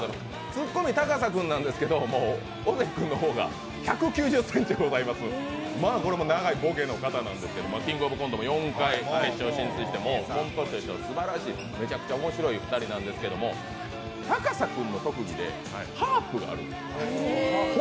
ツッコミ、高佐君なんですけど尾関君の方が１９０ｃｍございます、これも長いボケの方なんですけれども「キングオブコント」も４回決勝進出して、すばらしい、めちゃくちゃおもしろい２人なんですけど、高佐君の特技でハープがあるんです。